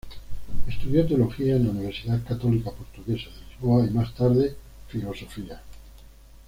Estudió Teología en la Universidad Católica Portuguesa de Lisboa y más tarde, Filosofía.